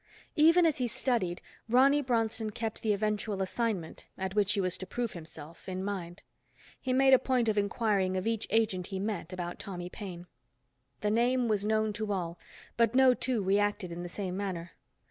Even as he studied, Ronny Bronston kept the eventual assignment, at which he was to prove himself, in mind. He made a point of inquiring of each agent he met, about Tommy Paine. The name was known to all, but no two reacted in the same manner.